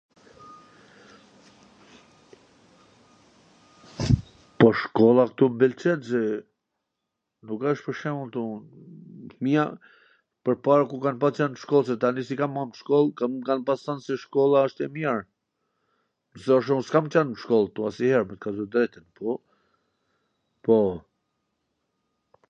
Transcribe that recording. Po shkolla ktu m pelqen se nuk wsht pwr shembull ktu njw jav, pwrpara kur kan qwn nw shkoll, s etani nuk i kam ma n shkoll, mw kan pas than se shkoll wsht e mir, thosha un s kam qwn nw shkoll ktu, asnjwher, me thwn tw drejtwn, po.